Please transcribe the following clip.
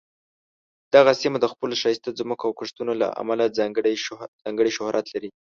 دغه سیمه د خپلو ښایسته ځمکو او کښتونو له امله ځانګړې شهرت لري.